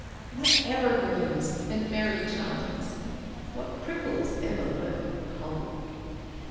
_) What evergreens and merry chimes! (_What prickles ever lurk in holly!